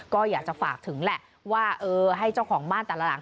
ก็อยากจะฝากถึงแหละว่าเออให้เจ้าของบ้านแต่ละหลัง